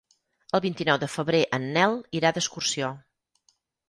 El vint-i-nou de febrer en Nel irà d'excursió.